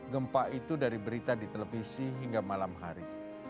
gempa itu dari berita di televisi hingga malam hari